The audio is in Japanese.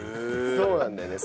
そうなんだよね。